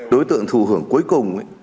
đối tượng thù hưởng cuối cùng